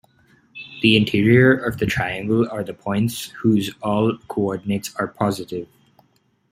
The interior of the triangle are the points whose all coordinates are positive.